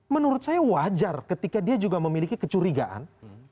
menurut saya wajar ketika dia juga memiliki kecurigaan